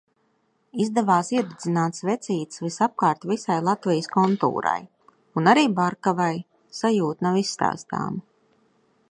Izdevās iededzināt svecītes visapkārt visai Latvijas kontūrai. Un arī Barkavai. Sajūta nav izstāstāma.